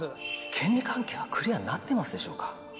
権利関係はクリアになってますでしょうか？